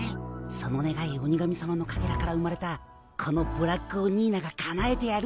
そのねがい鬼神さまのかけらから生まれたこのブラックオニーナがかなえてやる。